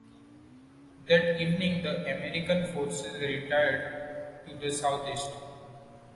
That evening the American forces retired to the southeast.